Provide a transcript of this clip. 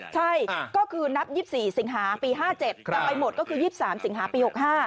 ใช่ก็คือนับ๒๔สิงหาปี๕๗จะไปหมดก็คือ๒๓สิงหาปี๖๕